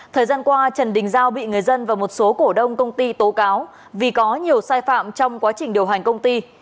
thời gian qua trần đình giao bị người dân và một số cổ đông công ty tố cáo vì có nhiều sai phạm trong quá trình điều hành công ty